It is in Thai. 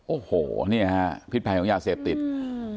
โอ้โหเนี่ยฮะพิษภัยของยาเสพติดอืม